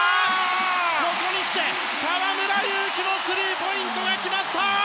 ここにきて河村勇輝のスリーポイントが来ました。